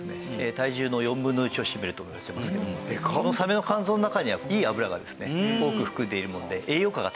体重の４分の１を占めるといわれてますけどもそのサメの肝臓の中にはいい油がですね多く含んでいるもので栄養価が高いんですね。